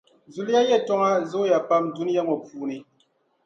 Zuliya yɛltͻŋa zooya pam dunia ŋͻ puuni .